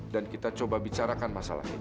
dan kita coba bicarakan masalah ini